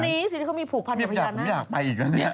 คนนี้สิเขามีผูกพันธุ์สุพยาณา